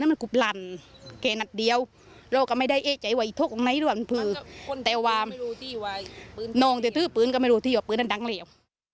แต่ว่าน้องเดี๋ยวภื้นก็ไม่รู้ว่าปืนรันรันรันหลีว